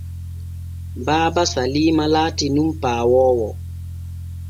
Baaba Saliima laati nun paawoowo.